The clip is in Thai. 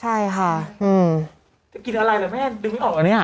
ไม่ยอมได้ออกก็เนี่ย